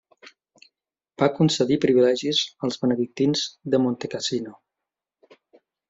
Va concedir privilegis als benedictins de Montecassino.